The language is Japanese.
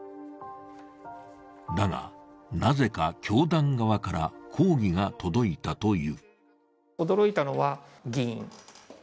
だが、なぜか教団側から抗議が届いたという。